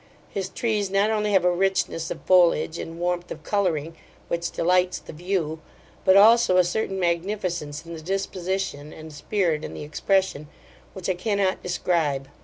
His trees not only have a richness of foliage and warmth of colouring, which delights the view; but also a certain magnificence in the disposition and spirit in the expression, which I cannot describe.